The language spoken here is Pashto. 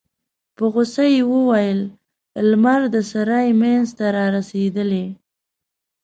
په غوسه يې وویل: لمر د سرای مينځ ته رارسيدلی.